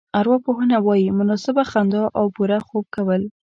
ارواپوهنه وايي مناسبه خندا او پوره خوب کول.